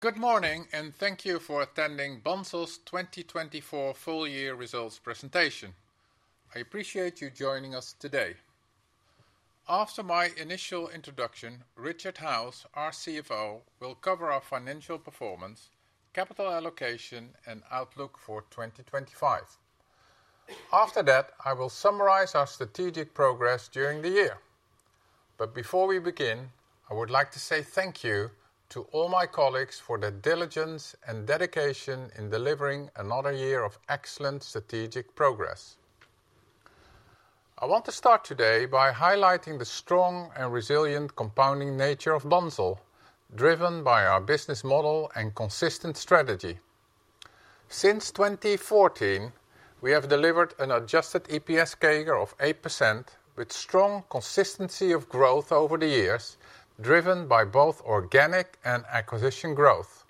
Good morning, and thank you for attending Bunzl's 2024 full-year results presentation. I appreciate you joining us today. After my initial introduction, Richard Howes, our CFO, will cover our financial performance, capital allocation, and outlook for 2025. After that, I will summarize our strategic progress during the year. But before we begin, I would like to say thank you to all my colleagues for their diligence and dedication in delivering another year of excellent strategic progress. I want to start today by highlighting the strong and resilient compounding nature of Bunzl, driven by our business model and consistent strategy. Since 2014, we have delivered an adjusted EPS CAGR of 8%, with strong consistency of growth over the years, driven by both organic and acquisition growth.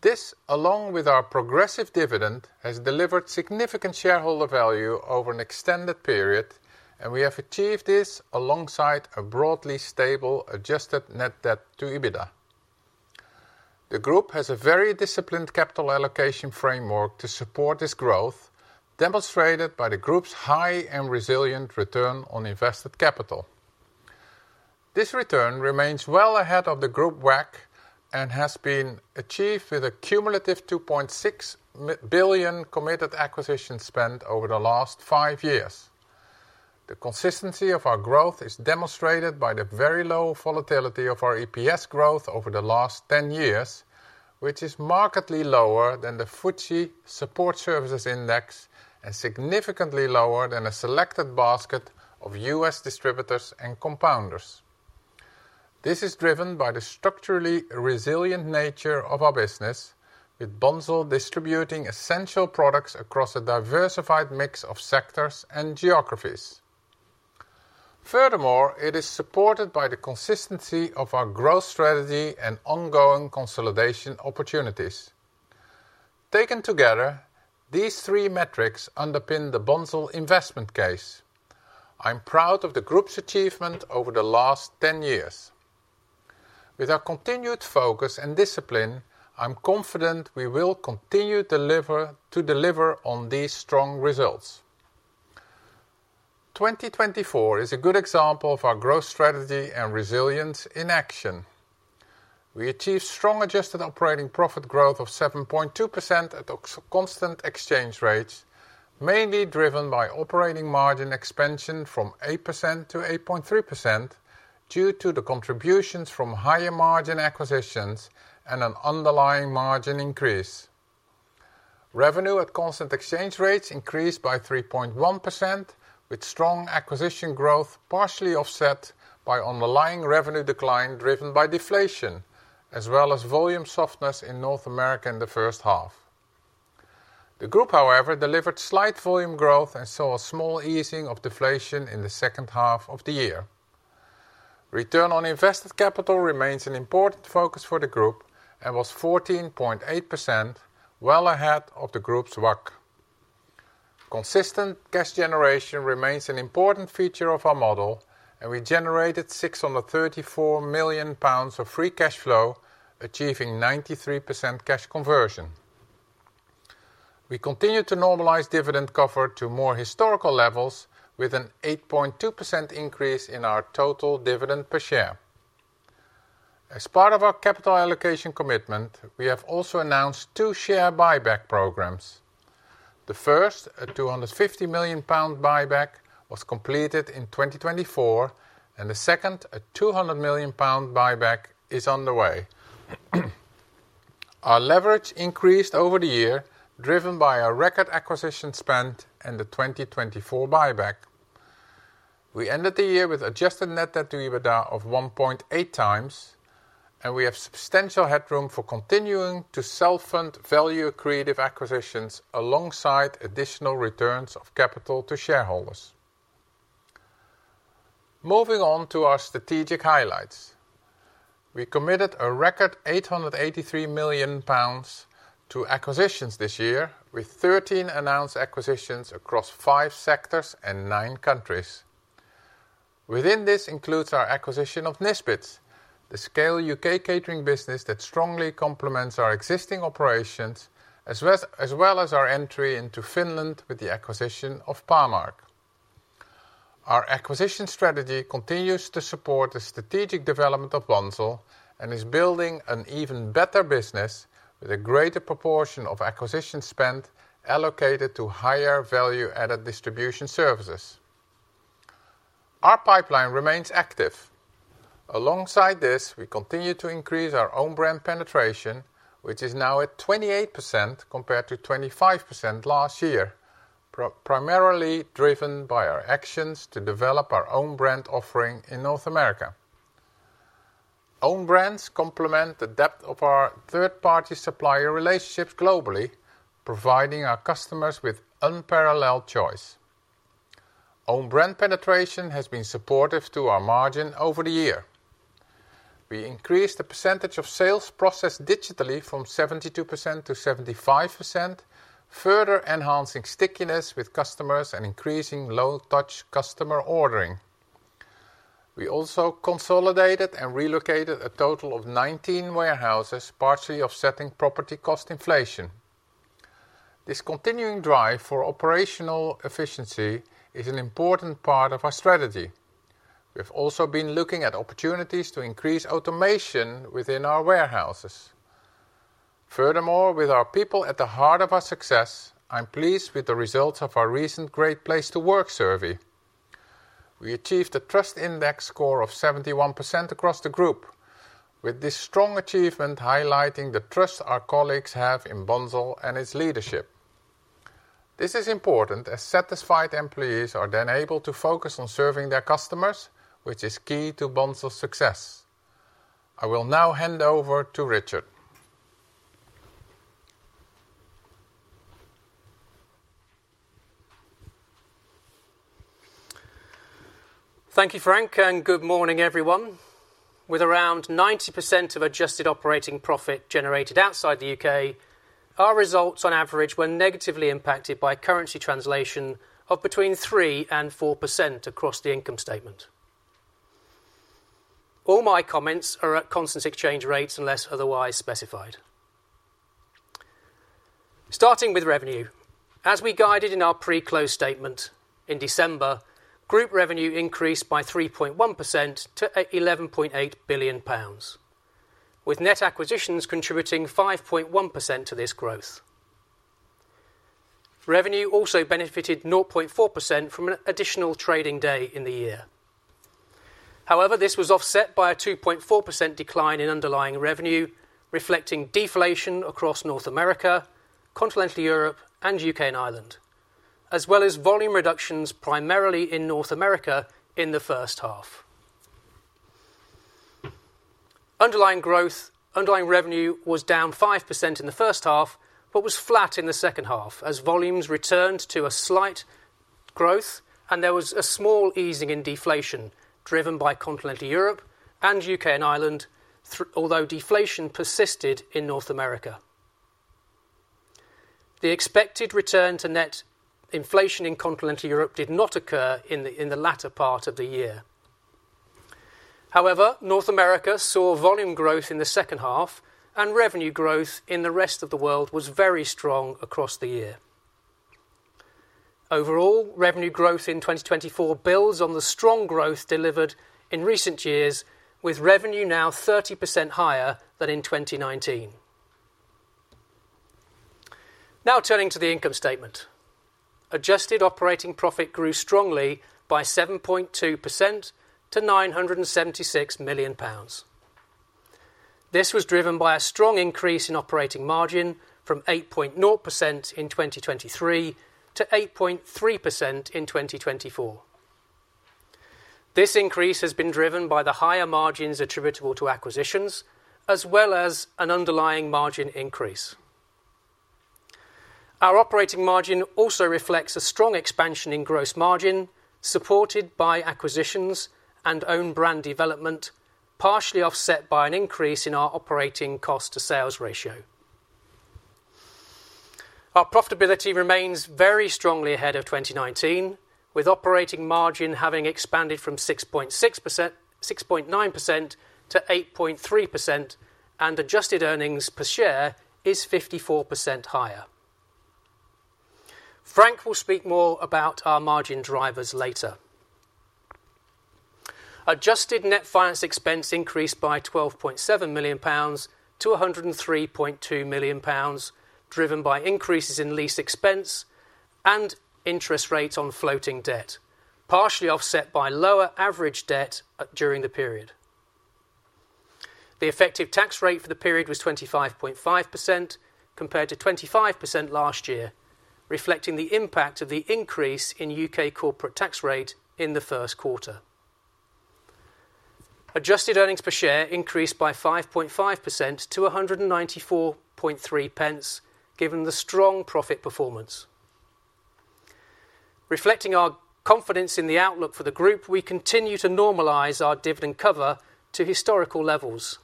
This, along with our progressive dividend, has delivered significant shareholder value over an extended period, and we have achieved this alongside a broadly stable Adjusted Net Debt to EBITDA. The Group has a very disciplined Capital Allocation framework to support this growth, demonstrated by the Group's high and resilient Return on Invested Capital. This return remains well ahead of the Group WACC and has been achieved with a cumulative $2.6 billion committed acquisition spend over the last five years. The consistency of our growth is demonstrated by the very low volatility of our EPS growth over the last 10 years, which is markedly lower than the FTSE Support Services Index and significantly lower than a selected basket of U.S. distributors and compounders. This is driven by the structurally resilient nature of our business, with Bunzl distributing essential products across a diversified mix of sectors and geographies. Furthermore, it is supported by the consistency of our growth strategy and ongoing consolidation opportunities. Taken together, these three metrics underpin the Bunzl investment case. I am proud of the Group's achievement over the last 10 years. With our continued focus and discipline, I am confident we will continue to deliver on these strong results. 2024 is a good example of our growth strategy and resilience in action. We achieved strong adjusted operating profit growth of 7.2% at constant exchange rates, mainly driven by operating margin expansion from 8% to 8.3% due to the contributions from higher margin acquisitions and an underlying margin increase. Revenue at constant exchange rates increased by 3.1%, with strong acquisition growth partially offset by underlying revenue decline driven by deflation, as well as volume softness in North America in the first half. The Group, however, delivered slight volume growth and saw a small easing of deflation in the second half of the year. Return on invested capital remains an important focus for the Group and was 14.8%, well ahead of the Group's WACC. Consistent cash generation remains an important feature of our model, and we generated 634 million pounds of free cash flow, achieving 93% cash conversion. We continue to normalize dividend cover to more historical levels, with an 8.2% increase in our total dividend per share. As part of our capital allocation commitment, we have also announced two share buyback programs. The first, a 250 million pound buyback, was completed in 2024, and the second, a 200 million pound buyback, is underway. Our leverage increased over the year, driven by our record acquisition spend and the 2024 buyback. We ended the year with adjusted net debt to EBITDA of 1.8 times, and we have substantial headroom for continuing to self-fund value creative acquisitions alongside additional returns of capital to shareholders. Moving on to our strategic highlights, we committed a record 883 million pounds to acquisitions this year, with 13 announced acquisitions across five sectors and nine countries. Within this includes our acquisition of Nisbets, the scale UK catering business that strongly complements our existing operations, as well as our entry into Finland with the acquisition of Pamark. Our acquisition strategy continues to support the strategic development of Bunzl and is building an even better business, with a greater proportion of acquisition spend allocated to higher value-added distribution services. Our pipeline remains active. Alongside this, we continue to increase our own brand penetration, which is now at 28% compared to 25% last year, primarily driven by our actions to develop our own brand offering in North America. Own brands complement the depth of our third-party supplier relationships globally, providing our customers with unparalleled choice. Own brand penetration has been supportive to our margin over the year. We increased the percentage of sales processed digitally from 72% to 75%, further enhancing stickiness with customers and increasing low-touch customer ordering. We also consolidated and relocated a total of 19 warehouses, partially offsetting property cost inflation. This continuing drive for operational efficiency is an important part of our strategy. We have also been looking at opportunities to increase automation within our warehouses. Furthermore, with our people at the heart of our success, I am pleased with the results of our recent Great Place to Work survey. We achieved a Trust Index score of 71% across the Group, with this strong achievement highlighting the trust our colleagues have in Bunzl and its leadership. This is important, as satisfied employees are then able to focus on serving their customers, which is key to Bunzl's success. I will now hand over to Richard. Thank you, Frank, and good morning, everyone. With around 90% of adjusted operating profit generated outside the UK, our results on average were negatively impacted by currency translation of between 3% and 4% across the income statement. All my comments are at constant exchange rates unless otherwise specified. Starting with revenue, as we guided in our pre-close statement in December, Group revenue increased by 3.1% to 11.8 billion pounds, with net acquisitions contributing 5.1% to this growth. Revenue also benefited 0.4% from an additional trading day in the year. However, this was offset by a 2.4% decline in underlying revenue, reflecting deflation across North America, continental Europe, and UK and Ireland, as well as volume reductions primarily in North America in the first half. Underlying revenue was down 5% in the first half but was flat in the second half, as volumes returned to a slight growth, and there was a small easing in deflation driven by Continental Europe and UK and Ireland, although deflation persisted in North America. The expected return to net inflation in Continental Europe did not occur in the latter part of the year. However, North America saw volume growth in the second half, and revenue growth in the rest of the world was very strong across the year. Overall, revenue growth in 2024 builds on the strong growth delivered in recent years, with revenue now 30% higher than in 2019. Now turning to the income statement, adjusted operating profit grew strongly by 7.2% to £976 million. This was driven by a strong increase in operating margin from 8.0% in 2023 to 8.3% in 2024. This increase has been driven by the higher margins attributable to acquisitions, as well as an underlying margin increase. Our operating margin also reflects a strong expansion in gross margin, supported by acquisitions and own brand development, partially offset by an increase in our operating cost-to-sales ratio. Our profitability remains very strongly ahead of 2019, with operating margin having expanded from 6.9% to 8.3%, and adjusted earnings per share is 54% higher. Frank will speak more about our margin drivers later. Adjusted net finance expense increased by 12.7 million pounds to 103.2 million pounds, driven by increases in lease expense and interest rates on floating debt, partially offset by lower average debt during the period. The effective tax rate for the period was 25.5% compared to 25% last year, reflecting the impact of the increase in UK corporate tax rate in the first quarter. Adjusted earnings per share increased by 5.5% to 194.30, given the strong profit performance. Reflecting our confidence in the outlook for the Group, we continue to normalize our dividend cover to historical levels.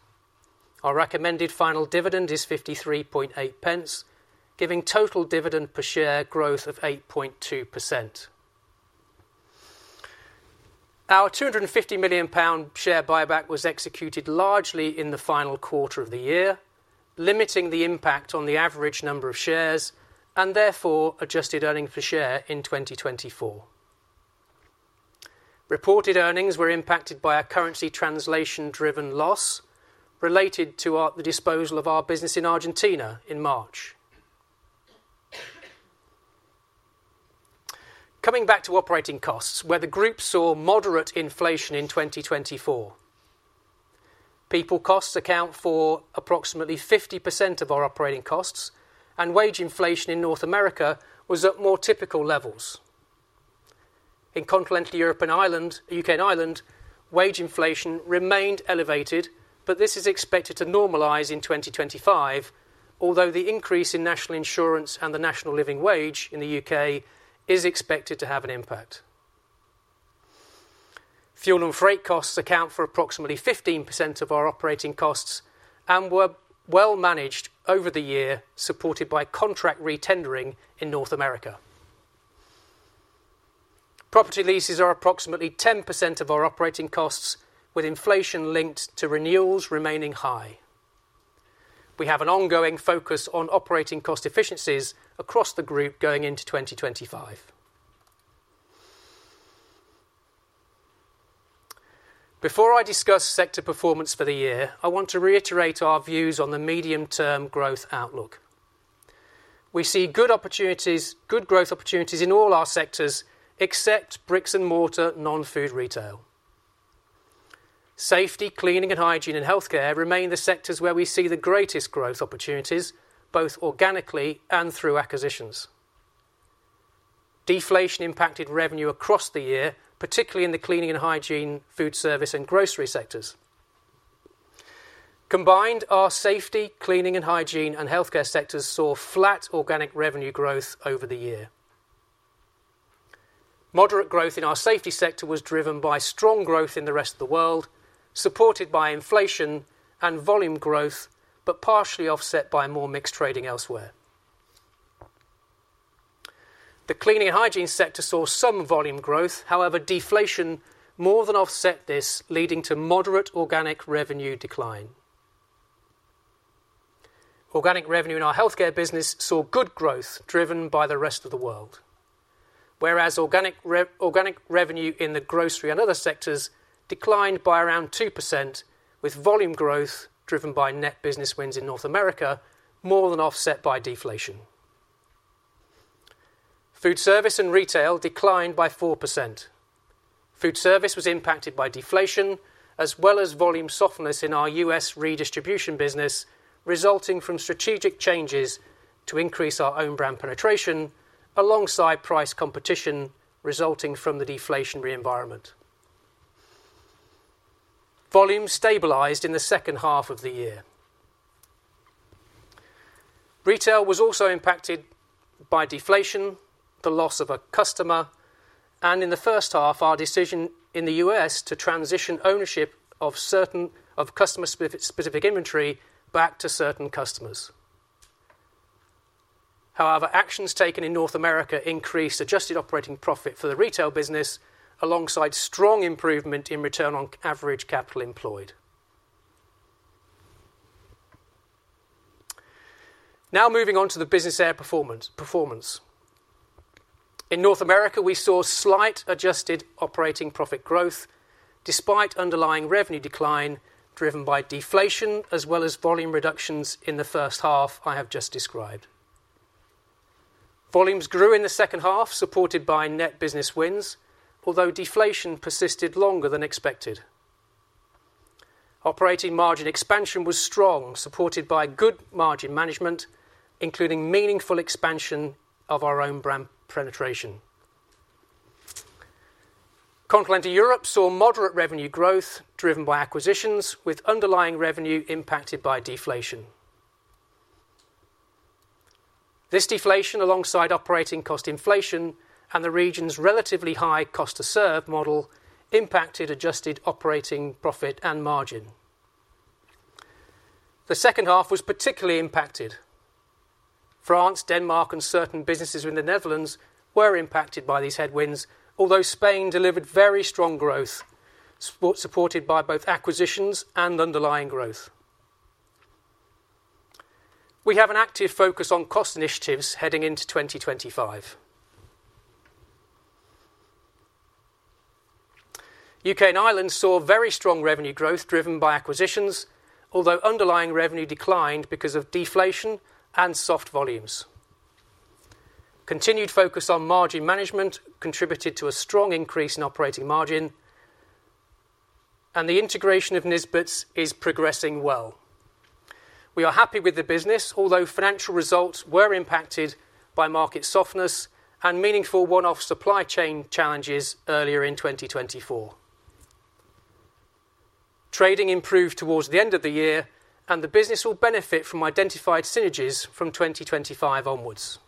Our recommended final dividend is 53.80, giving total dividend per share growth of 8.2%. Our 250 million pound share buyback was executed largely in the final quarter of the year, limiting the impact on the average number of shares and therefore adjusted earnings per share in 2024. Reported earnings were impacted by a currency translation-driven loss related to the disposal of our business in Argentina in March. Coming back to operating costs, where the Group saw moderate inflation in 2024. People costs account for approximately 50% of our operating costs, and wage inflation in North America was at more typical levels. In Continental Europe and Ireland, wage inflation remained elevated, but this is expected to normalize in 2025, although the increase in National Insurance and the National Living Wage in the UK is expected to have an impact. Fuel and freight costs account for approximately 15% of our operating costs and were well managed over the year, supported by contract re-tendering in North America. Property leases are approximately 10% of our operating costs, with inflation linked to renewals remaining high. We have an ongoing focus on operating cost efficiencies across the Group going into 2025. Before I discuss sector performance for the year, I want to reiterate our views on the medium-term growth outlook. We see good growth opportunities in all our sectors except bricks and mortar, non-food retail. Safety, cleaning and hygiene, and healthcare remain the sectors where we see the greatest growth opportunities, both organically and through acquisitions. Deflation impacted revenue across the year, particularly in the cleaning and hygiene, food service, and grocery sectors. Combined, our safety, cleaning and hygiene, and healthcare sectors saw flat organic revenue growth over the year. Moderate growth in our safety sector was driven by strong growth in the rest of the world, supported by inflation and volume growth, but partially offset by more mixed trading elsewhere. The cleaning and hygiene sector saw some volume growth. However, deflation more than offset this, leading to moderate organic revenue decline. Organic revenue in our healthcare business saw good growth driven by the rest of the world, whereas organic revenue in the grocery and other sectors declined by around 2%, with volume growth driven by net business wins in North America more than offset by deflation. Food service and retail declined by 4%. Food service was impacted by deflation, as well as volume softness in our U.S. redistribution business, resulting from strategic changes to increase our own brand penetration alongside price competition resulting from the deflationary environment. Volume stabilized in the second half of the year. Retail was also impacted by deflation, the loss of a customer, and in the first half, our decision in the U.S. to transition ownership of customer-specific inventory back to certain customers. However, actions taken in North America increased adjusted operating profit for the retail business, alongside strong improvement in return on average capital employed. Now moving on to the business area performance. In North America, we saw slight adjusted operating profit growth despite underlying revenue decline driven by deflation, as well as volume reductions in the first half I have just described. Volumes grew in the second half, supported by net business wins, although deflation persisted longer than expected. Operating margin expansion was strong, supported by good margin management, including meaningful expansion of our own brand penetration. Continental Europe saw moderate revenue growth driven by acquisitions, with underlying revenue impacted by deflation. This deflation, alongside operating cost inflation and the region's relatively high cost-to-serve model, impacted adjusted operating profit and margin. The second half was particularly impacted. France, Denmark, and certain businesses in the Netherlands were impacted by these headwinds, although Spain delivered very strong growth, supported by both acquisitions and underlying growth. We have an active focus on cost initiatives heading into 2025. UK and Ireland saw very strong revenue growth driven by acquisitions, although underlying revenue declined because of deflation and soft volumes. Continued focus on margin management contributed to a strong increase in operating margin, and the integration of Nisbets is progressing well. We are happy with the business, although financial results were impacted by market softness and meaningful one-off supply chain challenges earlier in 2024. Trading improved towards the end of the year, and the business will benefit from identified synergies from 2025 onwards.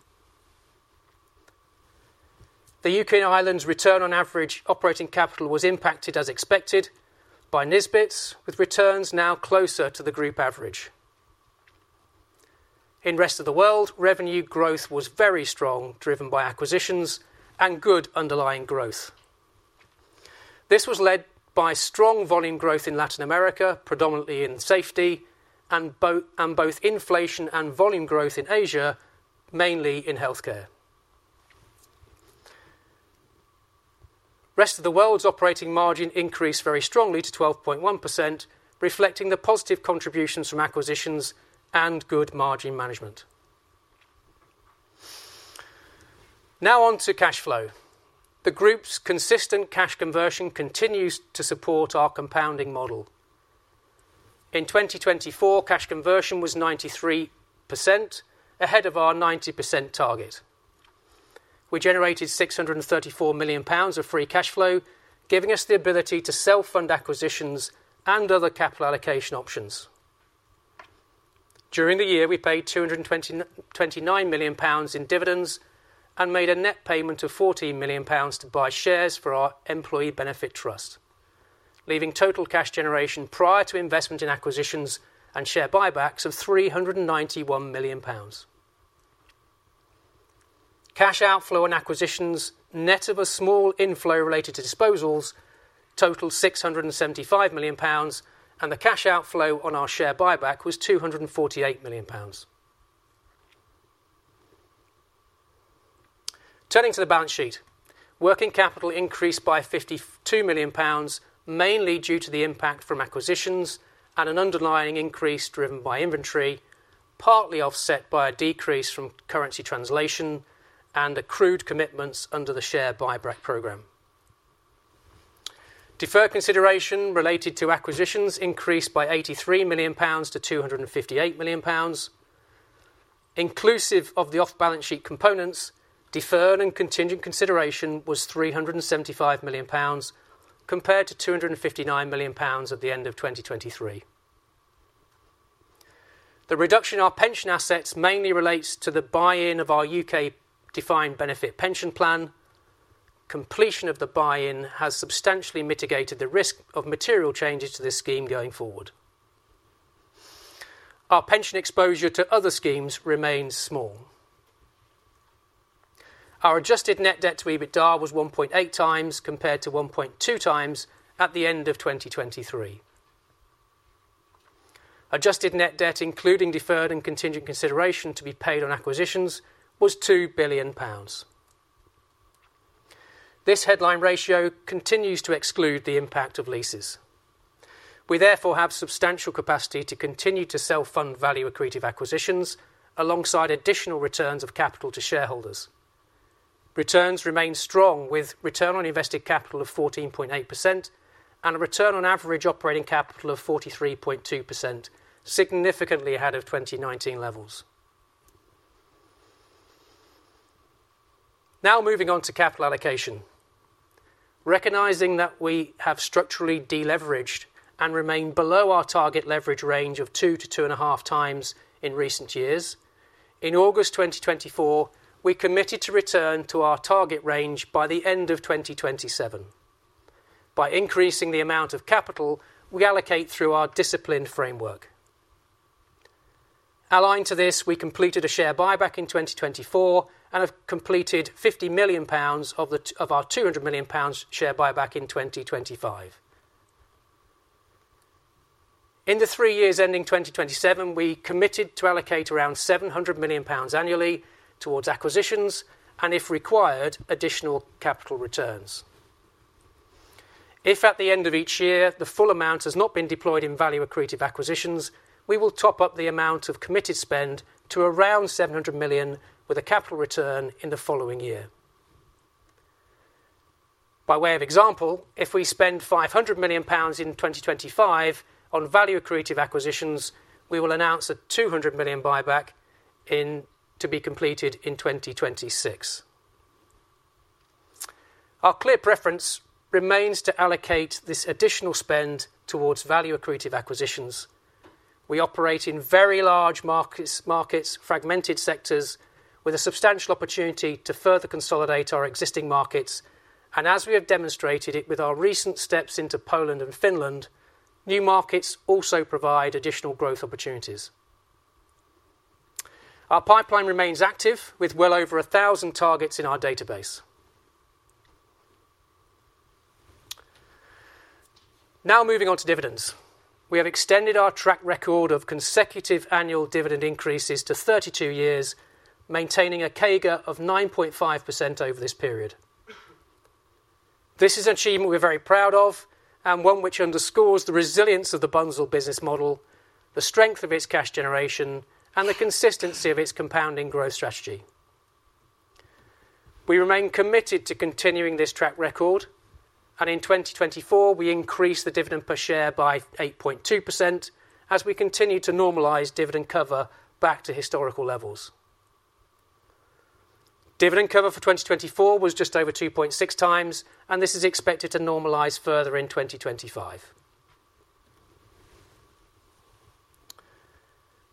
The UK and Ireland's return on average operating capital was impacted, as expected, by Nisbets, with returns now closer to the Group average. In the rest of the world, revenue growth was very strong, driven by acquisitions and good underlying growth. This was led by strong volume growth in Latin America, predominantly in safety, and both inflation and volume growth in Asia, mainly in healthcare. The rest of the world's operating margin increased very strongly to 12.1%, reflecting the positive contributions from acquisitions and good margin management. Now on to cash flow. The Group's consistent cash conversion continues to support our compounding model. In 2024, cash conversion was 93%, ahead of our 90% target. We generated 634 million pounds of free cash flow, giving us the ability to self-fund acquisitions and other capital allocation options. During the year, we paid 229 million pounds in dividends and made a net payment of 14 million pounds to buy shares for our Employee Benefit Trust, leaving total cash generation prior to investment in acquisitions and share buybacks of 391 million pounds. Cash outflow on acquisitions net of a small inflow related to disposals totaled 675 million pounds, and the cash outflow on our share buyback was 248 million pounds. Turning to the balance sheet, working capital increased by £52 million, mainly due to the impact from acquisitions and an underlying increase driven by inventory, partly offset by a decrease from currency translation and accrued commitments under the share buyback program. Deferred consideration related to acquisitions increased by £83 million to £258 million. Inclusive of the off-balance sheet components, deferred and contingent consideration was £375 million compared to £259 million at the end of 2023. The reduction in our pension assets mainly relates to the buy-in of our U.K. defined benefit pension plan. Completion of the buy-in has substantially mitigated the risk of material changes to this scheme going forward. Our pension exposure to other schemes remains small. Our adjusted net debt to EBITDA was 1.8 times compared to 1.2 times at the end of 2023. Adjusted net debt, including deferred and contingent consideration to be paid on acquisitions, was £2 billion. This headline ratio continues to exclude the impact of leases. We therefore have substantial capacity to continue to self-fund value-accretive acquisitions alongside additional returns of capital to shareholders. Returns remain strong, with return on invested capital of 14.8% and a return on average operating capital of 43.2%, significantly ahead of 2019 levels. Now moving on to capital allocation. Recognizing that we have structurally deleveraged and remain below our target leverage range of 2-2.5 times in recent years, in August 2024, we committed to return to our target range by the end of 2027 by increasing the amount of capital we allocate through our disciplined framework. Aligned to this, we completed a share buyback in 2024 and have completed £50 million of our £200 million share buyback in 2025. In the three years ending 2027, we committed to allocate around 700 million pounds annually towards acquisitions and, if required, additional capital returns. If at the end of each year the full amount has not been deployed in value-accretive acquisitions, we will top up the amount of committed spend to around 700 million with a capital return in the following year. By way of example, if we spend 500 million pounds in 2025 on value-accretive acquisitions, we will announce a 200 million buyback to be completed in 2026. Our clear preference remains to allocate this additional spend towards value-accretive acquisitions. We operate in very large markets, fragmented sectors, with a substantial opportunity to further consolidate our existing markets, and as we have demonstrated with our recent steps into Poland and Finland, new markets also provide additional growth opportunities. Our pipeline remains active, with well over 1,000 targets in our database. Now moving on to dividends. We have extended our track record of consecutive annual dividend increases to 32 years, maintaining a CAGR of 9.5% over this period. This is an achievement we're very proud of and one which underscores the resilience of the Bunzl business model, the strength of its cash generation, and the consistency of its compounding growth strategy. We remain committed to continuing this track record, and in 2024, we increased the dividend per share by 8.2% as we continue to normalize dividend cover back to historical levels. Dividend cover for 2024 was just over 2.6 times, and this is expected to normalize further in 2025.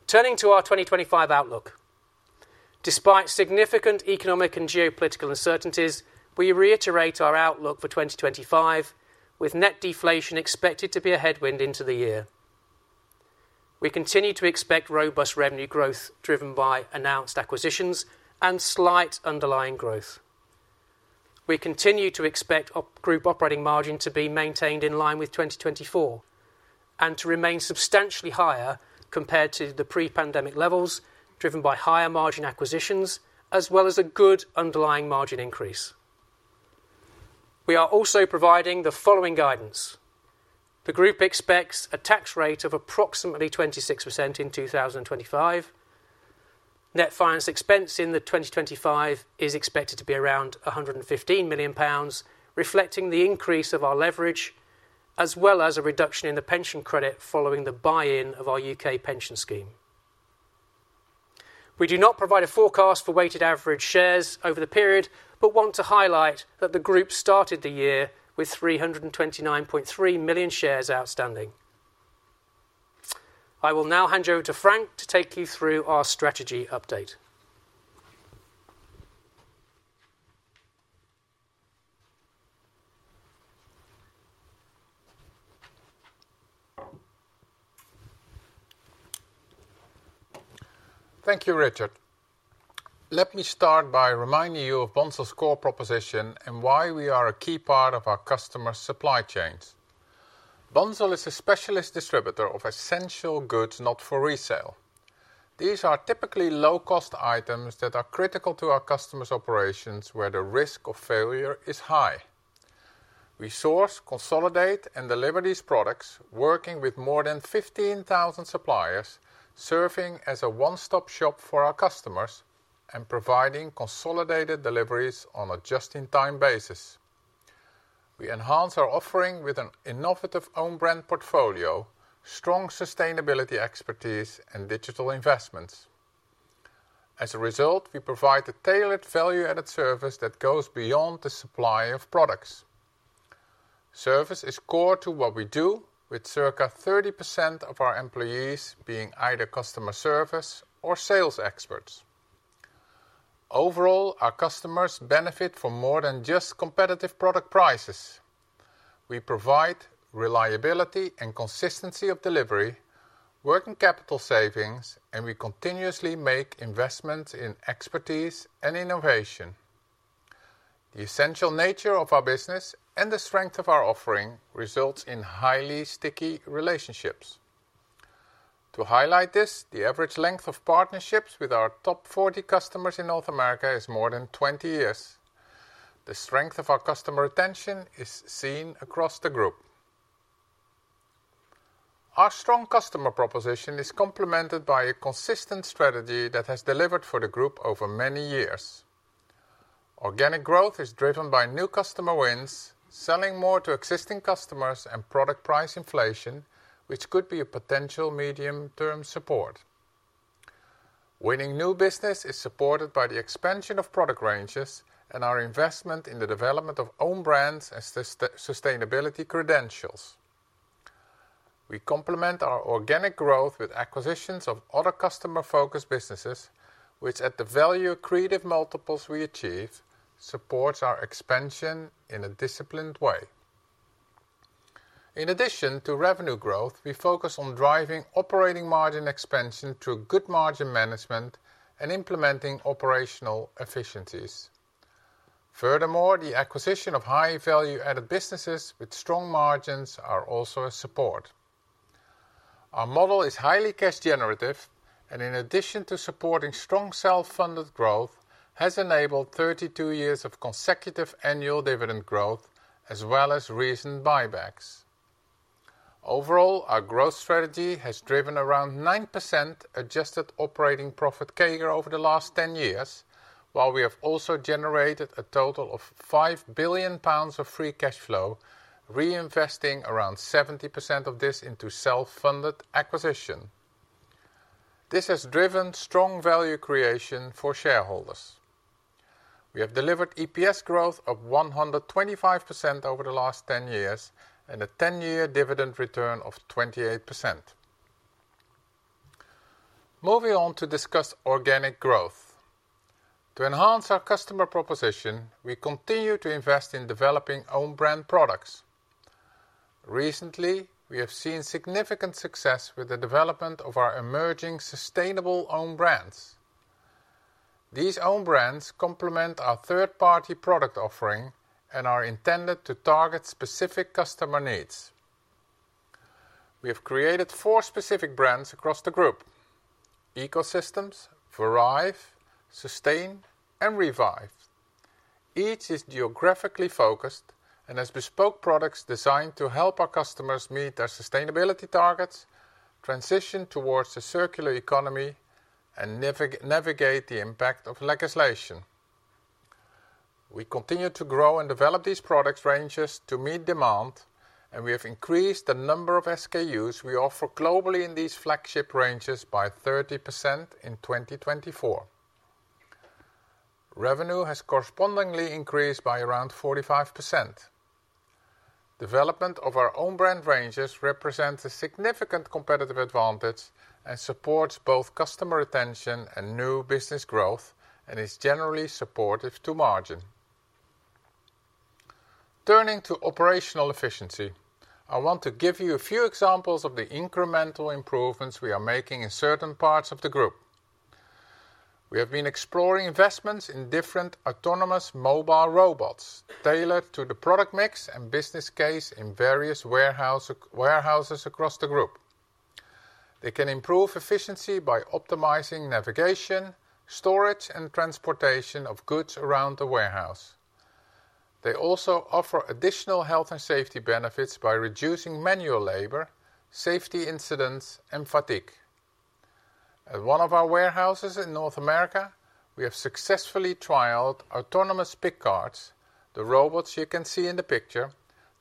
Turning to our 2025 outlook. Despite significant economic and geopolitical uncertainties, we reiterate our outlook for 2025, with net deflation expected to be a headwind into the year. We continue to expect robust revenue growth driven by announced acquisitions and slight underlying growth. We continue to expect Group operating margin to be maintained in line with 2024 and to remain substantially higher compared to the pre-pandemic levels, driven by higher margin acquisitions, as well as a good underlying margin increase. We are also providing the following guidance. The Group expects a tax rate of approximately 26% in 2025. Net finance expense in 2025 is expected to be around 115 million pounds, reflecting the increase of our leverage, as well as a reduction in the pension credit following the buy-in of our UK pension scheme. We do not provide a forecast for weighted average shares over the period, but want to highlight that the Group started the year with 329.3 million shares outstanding. I will now hand you over to Frank to take you through our strategy update. Thank you, Richard. Let me start by reminding you of Bunzl's core proposition and why we are a key part of our customers' supply chains. Bunzl is a specialist distributor of essential goods not for resale. These are typically low-cost items that are critical to our customers' operations, where the risk of failure is high. We source, consolidate, and deliver these products, working with more than 15,000 suppliers, serving as a one-stop shop for our customers and providing consolidated deliveries on a just-in-time basis. We enhance our offering with an innovative own-brand portfolio, strong sustainability expertise, and digital investments. As a result, we provide a tailored value-added service that goes beyond the supply of products. Service is core to what we do, with circa 30% of our employees being either customer service or sales experts. Overall, our customers benefit from more than just competitive product prices. We provide reliability and consistency of delivery, working capital savings, and we continuously make investments in expertise and innovation. The essential nature of our business and the strength of our offering results in highly sticky relationships. To highlight this, the average length of partnerships with our top 40 customers in North America is more than 20 years. The strength of our customer retention is seen across the Group. Our strong customer proposition is complemented by a consistent strategy that has delivered for the Group over many years. Organic growth is driven by new customer wins, selling more to existing customers, and product price inflation, which could be a potential medium-term support. Winning new business is supported by the expansion of product ranges and our investment in the development of own brands and sustainability credentials. We complement our organic growth with acquisitions of other customer-focused businesses, which, at the value-accretive multiples we achieve, supports our expansion in a disciplined way. In addition to revenue growth, we focus on driving operating margin expansion through good margin management and implementing operational efficiencies. Furthermore, the acquisition of high-value-added businesses with strong margins is also a support. Our model is highly cash generative, and in addition to supporting strong self-funded growth, it has enabled 32 years of consecutive annual dividend growth, as well as recent buybacks. Overall, our growth strategy has driven around 9% adjusted operating profit CAGR over the last 10 years, while we have also generated a total of 5 billion pounds of free cash flow, reinvesting around 70% of this into self-funded acquisitions. This has driven strong value creation for shareholders. We have delivered EPS growth of 125% over the last 10 years and a 10-year dividend return of 28%. Moving on to discuss organic growth. To enhance our customer proposition, we continue to invest in developing own-brand products. Recently, we have seen significant success with the development of our emerging sustainable own brands. These own brands complement our third-party product offering and are intended to target specific customer needs. We have created four specific brands across the Group: Ecosystm, Verive, Sustain, and Revive. Each is geographically focused and has bespoke products designed to help our customers meet their sustainability targets, transition towards a circular economy, and navigate the impact of legislation. We continue to grow and develop these product ranges to meet demand, and we have increased the number of SKUs we offer globally in these flagship ranges by 30% in 2024. Revenue has correspondingly increased by around 45%. Development of our own-brand ranges represents a significant competitive advantage and supports both customer retention and new business growth, and is generally supportive to margin. Turning to operational efficiency, I want to give you a few examples of the incremental improvements we are making in certain parts of the Group. We have been exploring investments in different autonomous mobile robots tailored to the product mix and business case in various warehouses across the Group. They can improve efficiency by optimizing navigation, storage, and transportation of goods around the warehouse. They also offer additional health and safety benefits by reducing manual labor, safety incidents, and fatigue. At one of our warehouses in North America, we have successfully trialed autonomous pick carts, the robots you can see in the picture.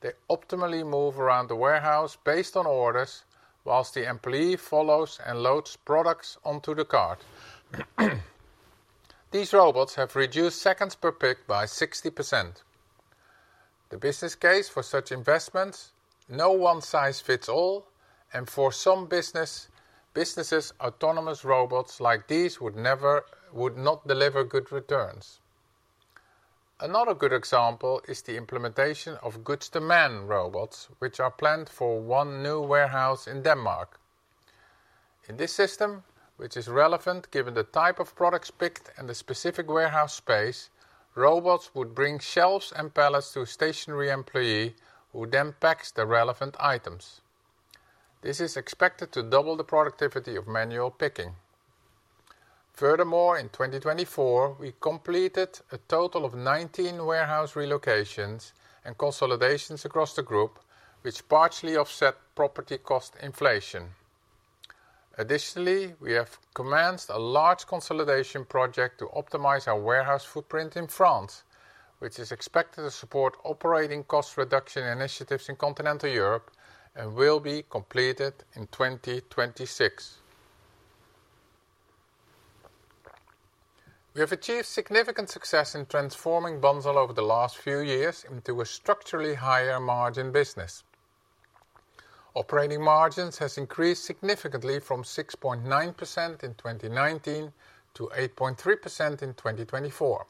They optimally move around the warehouse based on orders, whilst the employee follows and loads products onto the cart. These robots have reduced seconds per pick by 60%. The business case for such investments: no one size fits all, and for some businesses, autonomous robots like these would not deliver good returns. Another good example is the implementation of goods-to-man robots, which are planned for one new warehouse in Denmark. In this system, which is relevant given the type of products picked and the specific warehouse space, robots would bring shelves and pallets to a stationary employee, who then packs the relevant items. This is expected to double the productivity of manual picking. Furthermore, in 2024, we completed a total of 19 warehouse relocations and consolidations across the Group, which partially offset property cost inflation. Additionally, we have commenced a large consolidation project to optimize our warehouse footprint in France, which is expected to support operating cost reduction initiatives in continental Europe and will be completed in 2026. We have achieved significant success in transforming Bunzl over the last few years into a structurally higher margin business. Operating margins have increased significantly from 6.9% in 2019 to 8.3% in 2024.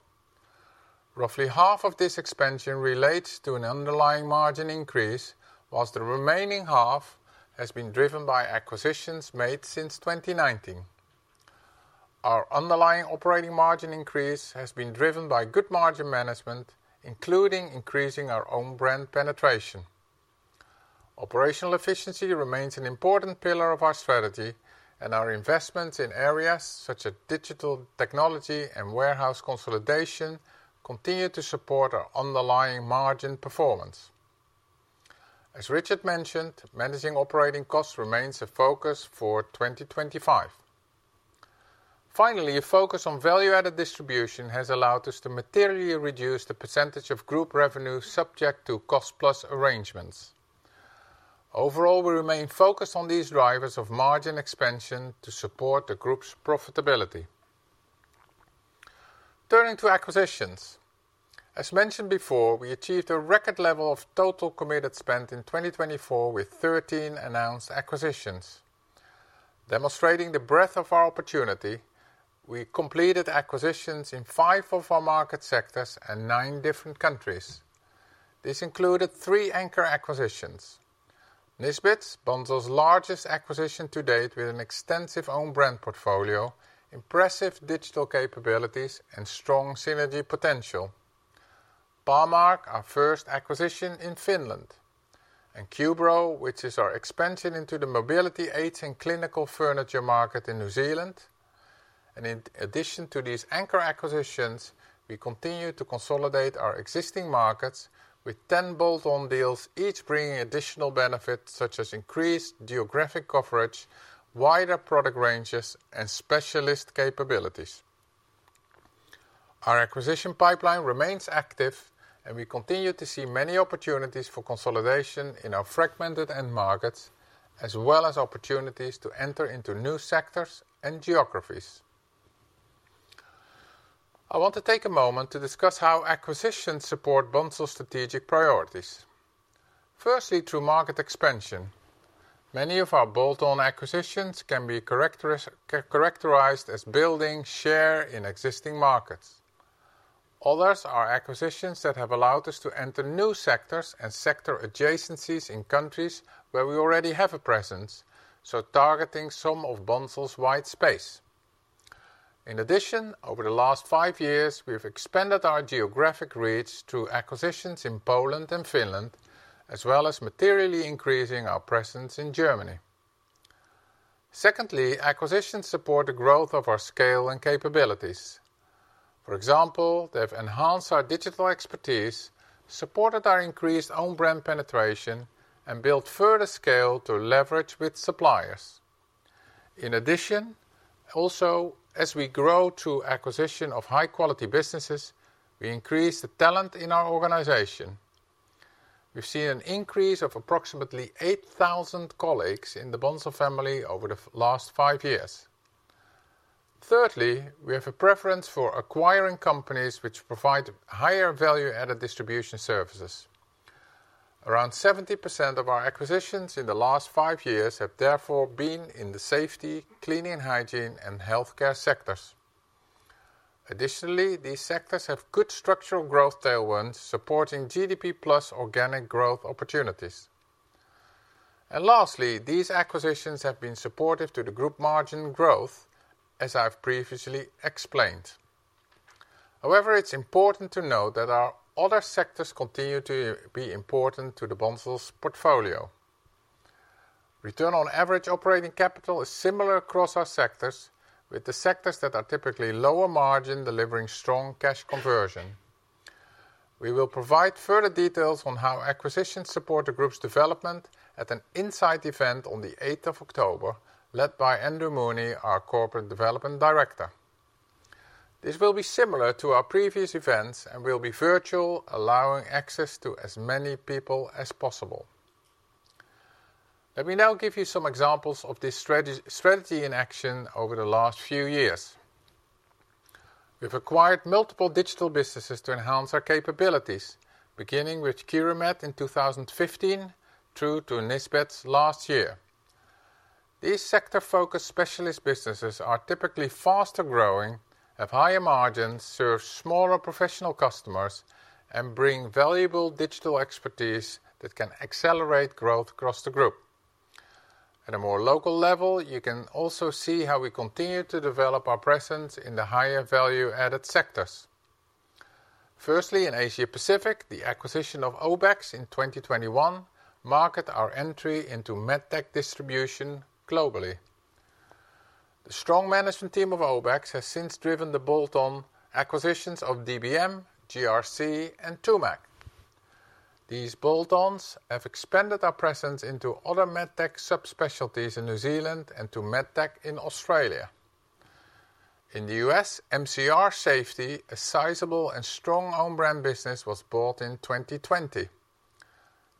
Roughly half of this expansion relates to an underlying margin increase, while the remaining half has been driven by acquisitions made since 2019. Our underlying operating margin increase has been driven by good margin management, including increasing our own-brand penetration. Operational efficiency remains an important pillar of our strategy, and our investments in areas such as digital technology and warehouse consolidation continue to support our underlying margin performance. As Richard mentioned, managing operating costs remains a focus for 2025. Finally, a focus on value-added distribution has allowed us to materially reduce the percentage of Group revenue subject to cost-plus arrangements. Overall, we remain focused on these drivers of margin expansion to support the Group's profitability. Turning to acquisitions. As mentioned before, we achieved a record level of total committed spend in 2024, with 13 announced acquisitions. Demonstrating the breadth of our opportunity, we completed acquisitions in five of our market sectors and nine different countries. This included three anchor acquisitions: Nisbets, Bunzl's largest acquisition to date, with an extensive own-brand portfolio, impressive digital capabilities, and strong synergy potential. Pamark, our first acquisition in Finland. And Cubro, which is our expansion into the mobility aids and clinical furniture market in New Zealand. In addition to these anchor acquisitions, we continue to consolidate our existing markets, with 10 bolt-on deals, each bringing additional benefits such as increased geographic coverage, wider product ranges, and specialist capabilities. Our acquisition pipeline remains active, and we continue to see many opportunities for consolidation in our fragmented end markets, as well as opportunities to enter into new sectors and geographies. I want to take a moment to discuss how acquisitions support Bunzl's strategic priorities. Firstly, through market expansion, many of our bolt-on acquisitions can be characterized as building share in existing markets. Others are acquisitions that have allowed us to enter new sectors and sector adjacencies in countries where we already have a presence, thus targeting some of Bunzl's white space. In addition, over the last five years, we have expanded our geographic reach through acquisitions in Poland and Finland, as well as materially increasing our presence in Germany. Secondly, acquisitions support the growth of our scale and capabilities. For example, they have enhanced our digital expertise, supported our increased own-brand penetration, and built further scale to leverage with suppliers. In addition, also, as we grow through acquisition of high-quality businesses, we increase the talent in our organization. We have seen an increase of approximately 8,000 colleagues in the Bunzl family over the last five years. Thirdly, we have a preference for acquiring companies which provide higher value-added distribution services. Around 70% of our acquisitions in the last five years have therefore been in the safety, cleaning and hygiene, and healthcare sectors. Additionally, these sectors have good structural growth tailwinds, supporting GDP-plus organic growth opportunities. And lastly, these acquisitions have been supportive to the Group margin growth, as I have previously explained. However, it's important to note that our other sectors continue to be important to the Bunzl's portfolio. Return on Average Operating Capital is similar across our sectors, with the sectors that are typically lower margin delivering strong Cash Conversion. We will provide further details on how acquisitions support the Group's development at an inside event on the 8th of October, led by Andrew Mooney, our Corporate Development Director. This will be similar to our previous events and will be virtual, allowing access to as many people as possible. Let me now give you some examples of this strategy in action over the last few years. We have acquired multiple digital businesses to enhance our capabilities, beginning with Quirumed in 2015 through to Nisbets last year. These sector-focused specialist businesses are typically faster growing, have higher margins, serve smaller professional customers, and bring valuable digital expertise that can accelerate growth across the Group. At a more local level, you can also see how we continue to develop our presence in the higher value-added sectors. Firstly, in Asia Pacific, the acquisition of Obex in 2021 marked our entry into medtech distribution globally. The strong management team of Obex has since driven the bolt-on acquisitions of DBM, Cubro, and Toomac. These bolt-ons have expanded our presence into other medtech subspecialties in New Zealand and to medtech in Australia. In the U.S., MCR Safety, a sizable and strong own-brand business, was bought in 2020.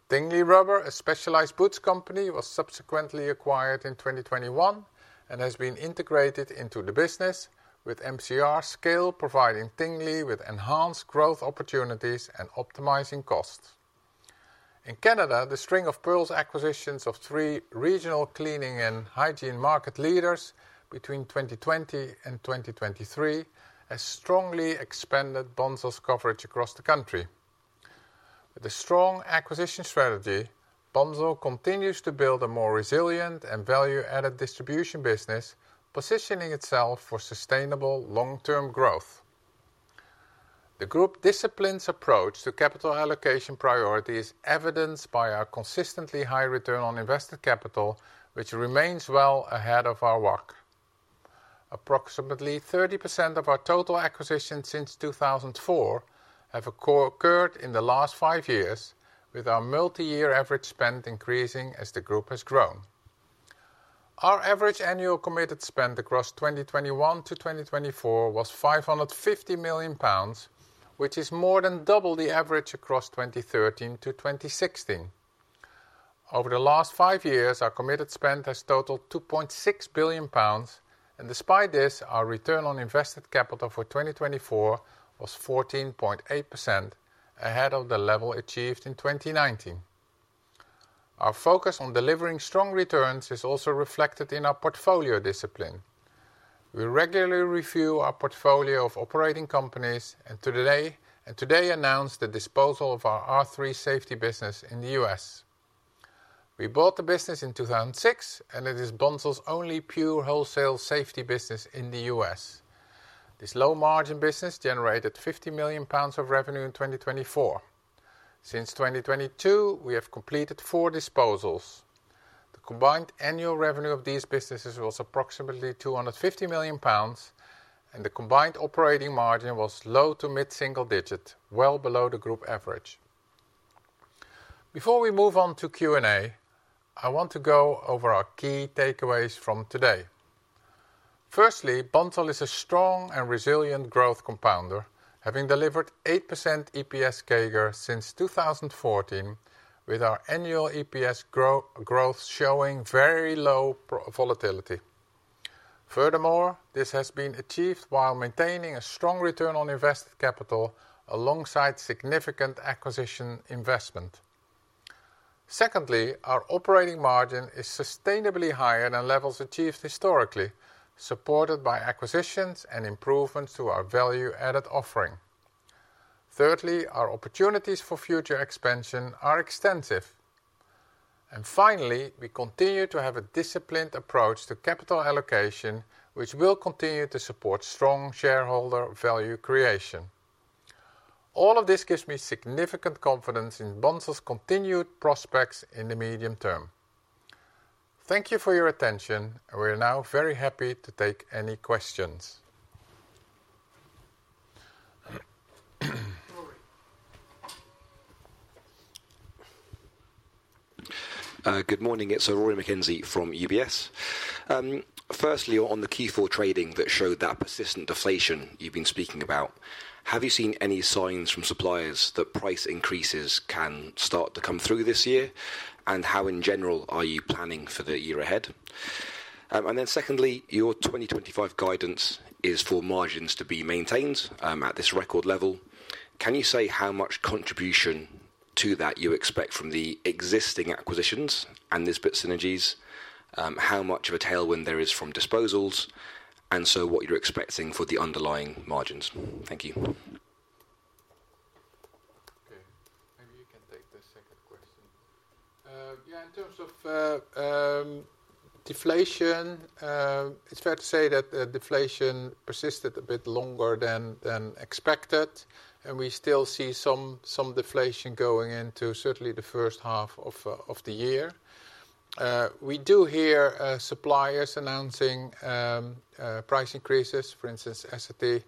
Tingley Rubber, a specialized boots company, was subsequently acquired in 2021 and has been integrated into the business, with MCR scale providing Tingley with enhanced growth opportunities and optimizing costs. In Canada, the string of pearls acquisitions of three regional cleaning and hygiene market leaders between 2020 and 2023 has strongly expanded Bunzl's coverage across the country. With a strong acquisition strategy, Bunzl continues to build a more resilient and value-added distribution business, positioning itself for sustainable long-term growth. The Group's disciplined approach to capital allocation priority is evidenced by our consistently high return on invested capital, which remains well ahead of our WACC. Approximately 30% of our total acquisitions since 2004 have occurred in the last five years, with our multi-year average spend increasing as the Group has grown. Our average annual committed spend across 2021 to 2024 was 550 million pounds, which is more than double the average across 2013 to 2016. Over the last five years, our committed spend has totaled 2.6 billion pounds, and despite this, our return on invested capital for 2024 was 14.8%, ahead of the level achieved in 2019. Our focus on delivering strong returns is also reflected in our portfolio discipline. We regularly review our portfolio of operating companies and today announced the disposal of our R3 Safety business in the U.S. We bought the business in 2006, and it is Bunzl's only pure wholesale safety business in the U.S. This low-margin business generated 50 million pounds of revenue in 2024. Since 2022, we have completed four disposals. The combined annual revenue of these businesses was approximately 250 million pounds, and the combined operating margin was low to mid-single digit, well below the Group average. Before we move on to Q&A, I want to go over our key takeaways from today. Firstly, Bunzl is a strong and resilient growth compounder, having delivered 8% EPS CAGR since 2014, with our annual EPS growth showing very low volatility. Furthermore, this has been achieved while maintaining a strong return on invested capital alongside significant acquisition investment. Secondly, our operating margin is sustainably higher than levels achieved historically, supported by acquisitions and improvements to our value-added offering. Thirdly, our opportunities for future expansion are extensive. And finally, we continue to have a disciplined approach to capital allocation, which will continue to support strong shareholder value creation. All of this gives me significant confidence in Bunzl's continued prospects in the medium term. Thank you for your attention, and we are now very happy to take any questions. Good morning. It's Rory McKenzie from UBS. Firstly, on the Q4 trading that showed that persistent deflation you've been speaking about, have you seen any signs from suppliers that price increases can start to come through this year, and how in general are you planning for the year ahead? And then secondly, your 2025 guidance is for margins to be maintained at this record level. Can you say how much contribution to that you expect from the existing acquisitions and Nisbets synergies, how much of a tailwind there is from disposals, and so what you're expecting for the underlying margins? Thank you. Okay. Maybe you can take the second question. Yeah, in terms of deflation, it's fair to say that deflation persisted a bit longer than expected, and we still see some deflation going into certainly the first half of the year. We do hear suppliers announcing price increases. For instance, Essity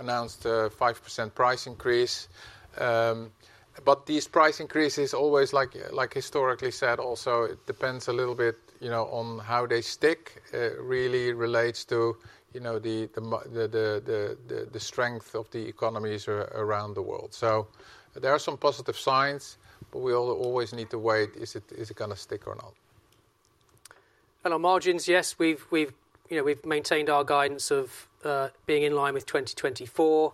announced a 5% price increase. But these price increases, always like historically said, also it depends a little bit on how they stick, really relates to the strength of the economies around the world. So there are some positive signs, but we always need to wait. Is it going to stick or not? Our margins, yes, we've maintained our guidance of being in line with 2024.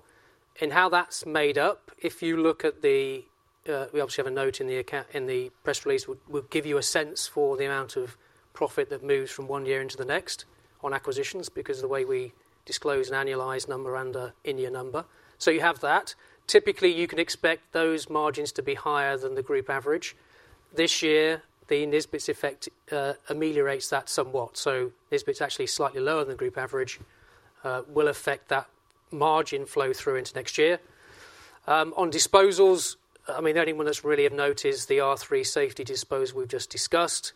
In how that's made up, if you look at the, we obviously have a note in the press release that will give you a sense for the amount of profit that moves from one year into the next on acquisitions because of the way we disclose an annualized number and an in-year number. So you have that. Typically, you can expect those margins to be higher than the Group average. This year, the Nisbets effect ameliorates that somewhat. So Nisbets actually slightly lower than the Group average will affect that margin flow through into next year. On disposals, I mean, the only one that's really of note is the R3 Safety disposal we've just discussed.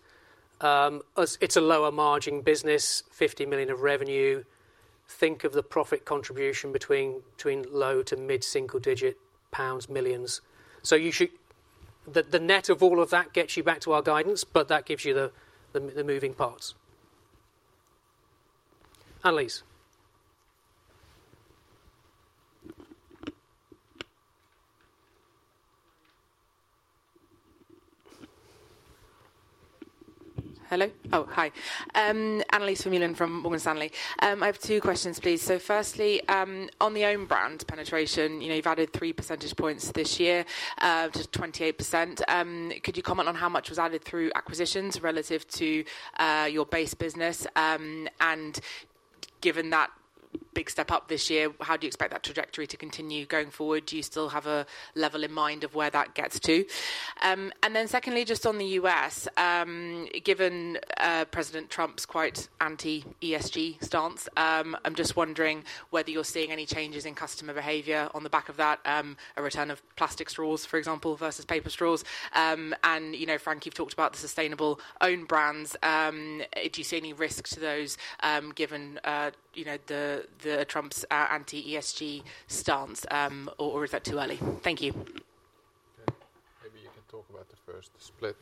It's a lower margin business, 50 million of revenue. Think of the profit contribution between low- to mid-single-digit pounds millions. So the net of all of that gets you back to our guidance, but that gives you the moving parts. Annelies. Hello? Oh, hi. Annelies Vermeulen from Morgan Stanley. I have two questions, please. So firstly, on the own-brand penetration, you've added three percentage points this year to 28%. Could you comment on how much was added through acquisitions relative to your base business? And given that big step up this year, how do you expect that trajectory to continue going forward? Do you still have a level in mind of where that gets to? And then secondly, just on the U.S., given President Trump's quite anti-ESG stance, I'm just wondering whether you're seeing any changes in customer behavior on the back of that, a return of plastic straws, for example, versus paper straws. And Frank, you've talked about the sustainable own brands. Do you see any risk to those given the Trump's anti-ESG stance, or is that too early? Thank you. Maybe you can talk about the first split.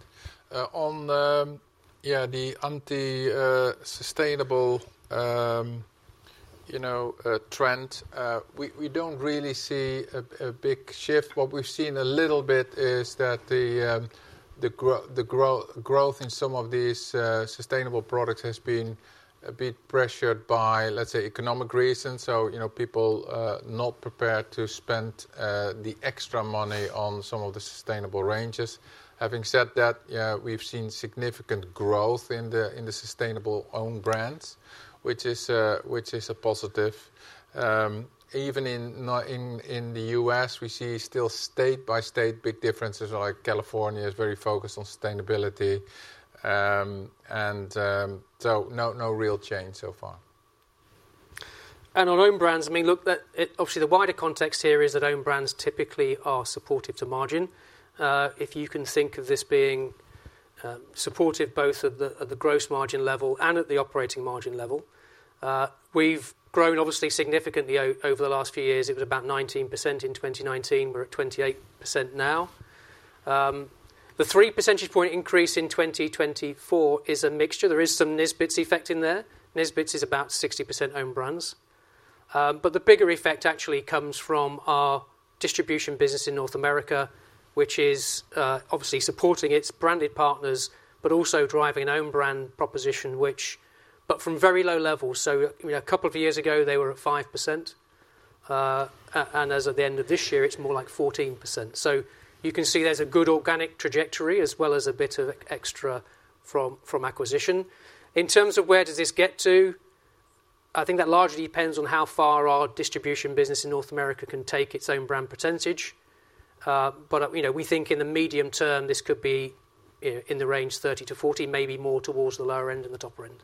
On the anti-sustainable trend, we don't really see a big shift. What we've seen a little bit is that the growth in some of these sustainable products has been a bit pressured by, let's say, economic reasons. So people are not prepared to spend the extra money on some of the sustainable ranges. Having said that, we've seen significant growth in the sustainable own brands, which is a positive. Even in the U.S., we see still state-by-state big differences, like California is very focused on sustainability. And so no real change so far. And on own brands, I mean, look, obviously the wider context here is that own brands typically are supportive to margin. If you can think of this being supportive both at the gross margin level and at the operating margin level. We've grown obviously significantly over the last few years. It was about 19% in 2019. We're at 28% now. The three percentage point increase in 2024 is a mixture. There is some Nisbets effect in there. Nisbets is about 60% own brands, but the bigger effect actually comes from our distribution business in North America, which is obviously supporting its branded partners, but also driving an own brand proposition, which, but from very low levels, so a couple of years ago, they were at 5%. And as of the end of this year, it's more like 14%, so you can see there's a good organic trajectory as well as a bit of extra from acquisition. In terms of where does this get to, I think that largely depends on how far our distribution business in North America can take its own brand percentage. But we think in the medium term, this could be in the range 30%-40%, maybe more towards the lower end and the upper end.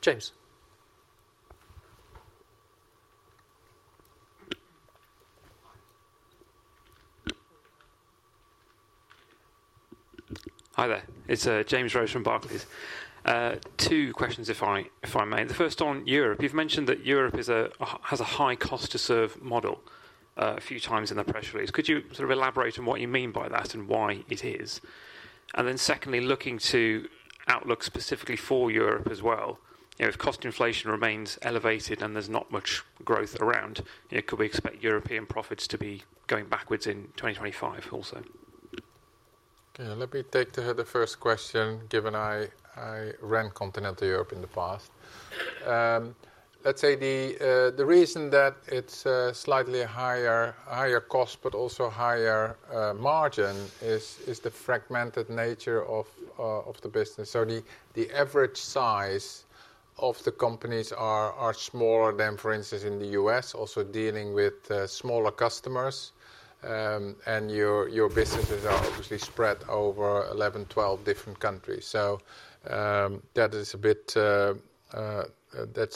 James. Hi there. It's James Rose from Barclays. Two questions, if I may. The first on Europe. You've mentioned that Europe has a high cost-to-serve model a few times in the press release. Could you sort of elaborate on what you mean by that and why it is? And then secondly, looking to outlook specifically for Europe as well, if cost inflation remains elevated and there's not much growth around, could we expect European profits to be going backwards in 2025 also? Okay. Let me take the first question, given I ran Continental Europe in the past. Let's say the reason that it's slightly higher cost, but also higher margin is the fragmented nature of the business. So the average size of the companies are smaller than, for instance, in the U.S., also dealing with smaller customers. And your businesses are obviously spread over 11, 12 different countries. So that is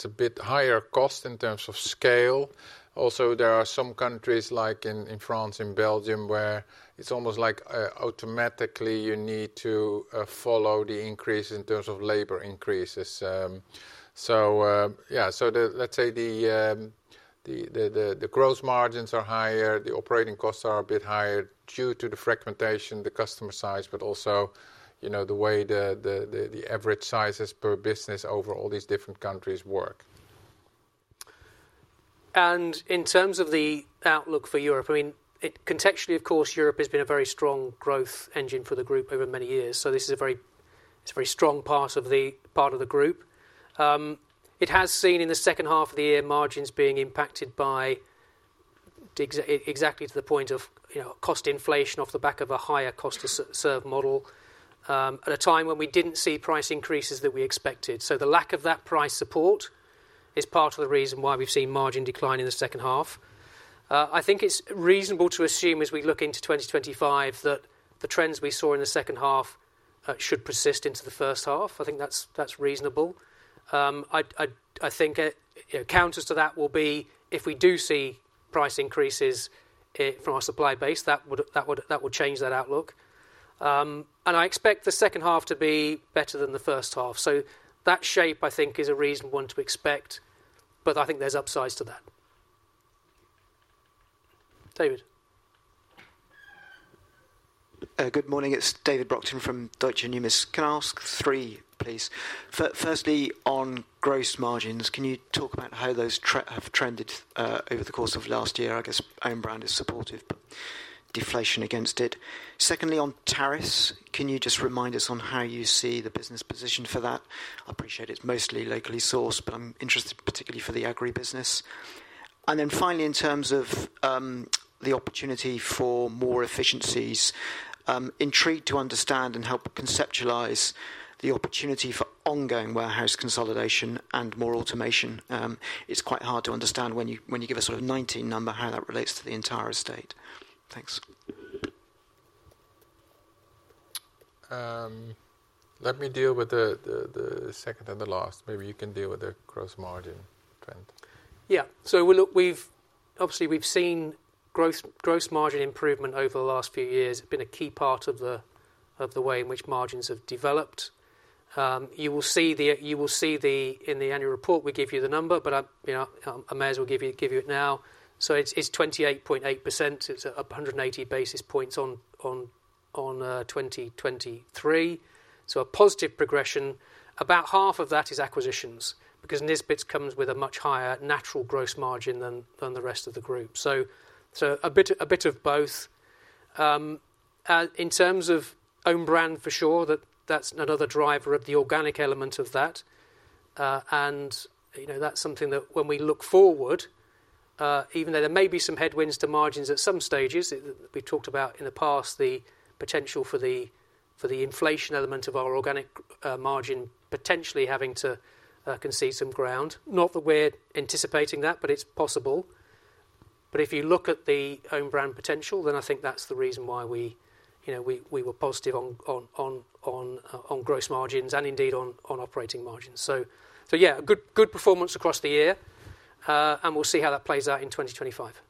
a bit higher cost in terms of scale. Also, there are some countries like in France, in Belgium, where it's almost like automatically you need to follow the increase in terms of labor increases. So yeah, so let's say the gross margins are higher, the operating costs are a bit higher due to the fragmentation, the customer size, but also the way the average sizes per business over all these different countries work. In terms of the outlook for Europe, I mean, contextually, of course, Europe has been a very strong growth engine for the Group over many years. So this is a very strong part of the Group. It has seen in the second half of the year margins being impacted by exactly to the point of cost inflation off the back of a higher cost-to-serve model at a time when we didn't see price increases that we expected. So the lack of that price support is part of the reason why we've seen margin decline in the second half. I think it's reasonable to assume as we look into 2025 that the trends we saw in the second half should persist into the first half. I think that's reasonable. I think counters to that will be if we do see price increases from our supply base, that would change that outlook, and I expect the second half to be better than the first half, so that shape, I think, is a reasonable one to expect, but I think there's upsides to that. David. Good morning. It's David Broxton from Deutsche Numis. Can I ask three, please? Firstly, on gross margins, can you talk about how those have trended over the course of last year? I guess own brand is supportive, but deflation against it. Secondly, on tariffs, can you just remind us on how you see the business position for that? I appreciate it's mostly locally sourced, but I'm interested particularly for the agri business. And then finally, in terms of the opportunity for more efficiencies, intrigued to understand and help conceptualize the opportunity for ongoing warehouse consolidation and more automation. It's quite hard to understand when you give a sort of 19 number, how that relates to the entire estate? Thanks. Let me deal with the second and the last. Maybe you can deal with the gross margin trend. Yeah. So obviously, we've seen gross margin improvement over the last few years. It's been a key part of the way in which margins have developed. You will see in the annual report, we give you the number, but I may as well give you it now. So it's 28.8%. It's 180 basis points on 2023. So a positive progression. About half of that is acquisitions because Nisbets comes with a much higher natural gross margin than the rest of the Group. So a bit of both. In terms of own brand, for sure, that's another driver of the organic element of that. And that's something that when we look forward, even though there may be some headwinds to margins at some stages, we've talked about in the past the potential for the inflation element of our organic margin potentially having to concede some ground. Not that we're anticipating that, but it's possible. But if you look at the own brand potential, then I think that's the reason why we were positive on gross margins and indeed on operating margins. So yeah, good performance across the year. And we'll see how that plays out in 2025.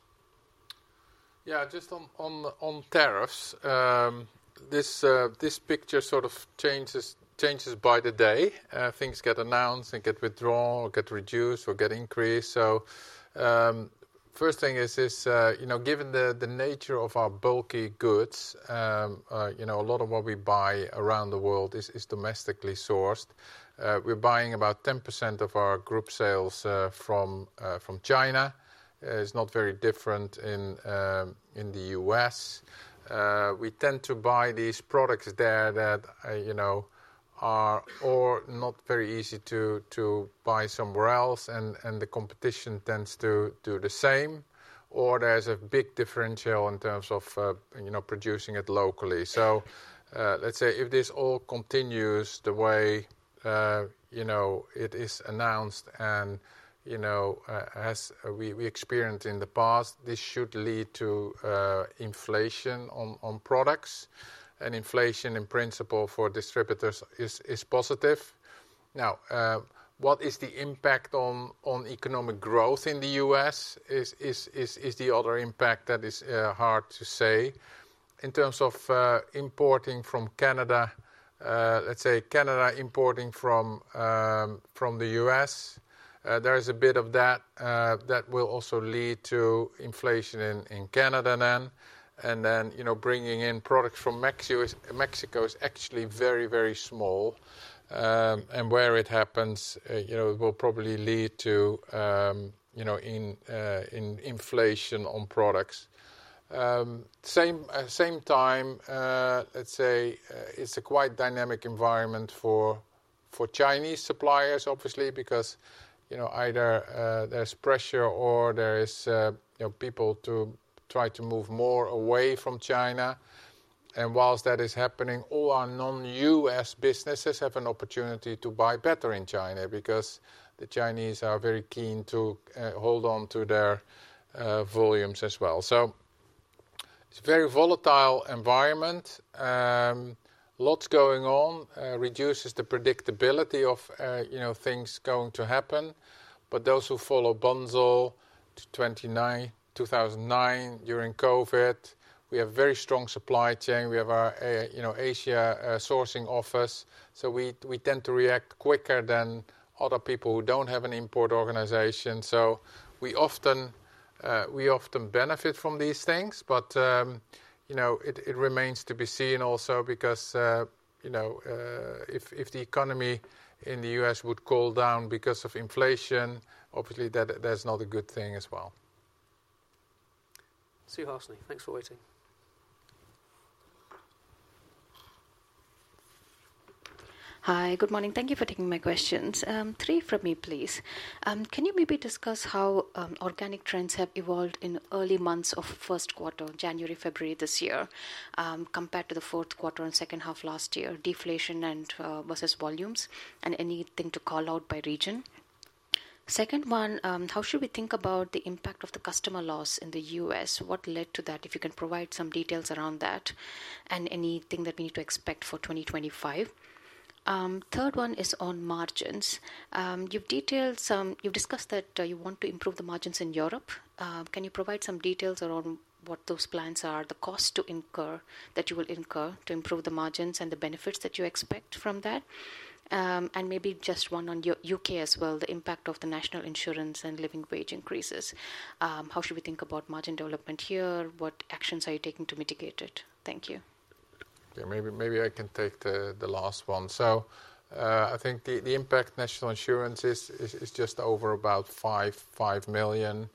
Yeah. Just on tariffs, this picture sort of changes by the day. Things get announced and get withdrawn or get reduced or get increased. So first thing is, given the nature of our bulky goods, a lot of what we buy around the world is domestically sourced. We're buying about 10% of our Group sales from China. It's not very different in the U.S. We tend to buy these products there that are not very easy to buy somewhere else, and the competition tends to do the same. Or there's a big differential in terms of producing it locally. So let's say if this all continues the way it is announced and we experienced in the past, this should lead to inflation on products. And inflation, in principle, for distributors is positive. Now, what is the impact on economic growth in the U.S.? Is the other impact that is hard to say. In terms of importing from Canada, let's say Canada importing from the U.S., there is a bit of that that will also lead to inflation in Canada then. And then bringing in products from Mexico is actually very, very small. And where it happens, it will probably lead to inflation on products. Same time, let's say it's a quite dynamic environment for Chinese suppliers, obviously, because either there's pressure or there are people to try to move more away from China. And whilst that is happening, all our non-U.S. businesses have an opportunity to buy better in China because the Chinese are very keen to hold on to their volumes as well. So it's a very volatile environment. Lots going on reduces the predictability of things going to happen. But those who follow Bunzl to 2009, during COVID, we have very strong supply chain. We have our Asia sourcing office. So we tend to react quicker than other people who don't have an import organization. So we often benefit from these things, but it remains to be seen also because if the economy in the U.S. would cool down because of inflation, obviously that's not a good thing as well. Suhasini Varanasi, thanks for waiting. Hi, good morning. Thank you for taking my questions. Three from me, please. Can you maybe discuss how organic trends have evolved in early months of first quarter, January, February this year, compared to the fourth quarter and second half last year, deflation versus volumes, and anything to call out by region? Second one, how should we think about the impact of the customer loss in the U.S.? What led to that, if you can provide some details around that and anything that we need to expect for 2025? Third one is on margins. You've discussed that you want to improve the margins in Europe. Can you provide some details around what those plans are, the cost to incur that you will incur to improve the margins and the benefits that you expect from that? And maybe just one on UK as well, the impact of the National Insurance and living wage increases. How should we think about margin development here? What actions are you taking to mitigate it? Thank you. Maybe I can take the last one. So I think the impact National Insurance is just over about £5 million.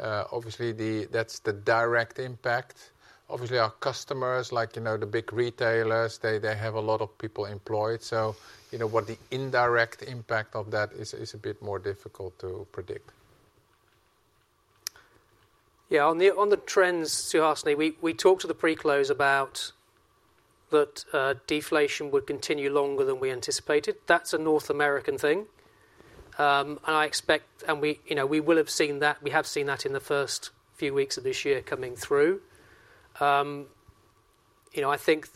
Obviously, that's the direct impact. Obviously, our customers, like the big retailers, they have a lot of people employed. So what the indirect impact of that is a bit more difficult to predict. Yeah, on the trends, Suhasini Varanasi, we talked to the pre-close about that deflation would continue longer than we anticipated. That's a North American thing, and I expect, and we will have seen that. We have seen that in the first few weeks of this year coming through. I think